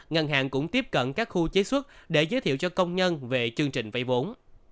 ngân hàng cũng tiếp cận các khu chế xuất để giới thiệu cho công nhân về chương trình vay vốn